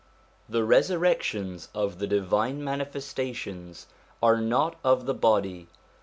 The resurrections of the Divine Manifesta tions are not of the body.